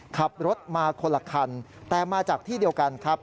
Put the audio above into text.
ขับรถมาคนละคันแต่มาจากที่เดียวกันครับ